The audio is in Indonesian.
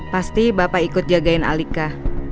pasti bapak ikut jagain alika